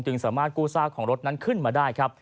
สามารถกู้ซากของรถนั้นขึ้นมาได้ครับ